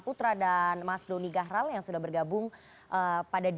bayangkan ya bencana